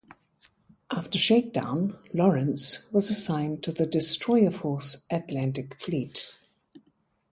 After shakedown "Lawrence" was assigned to the Destroyer Force Atlantic Fleet.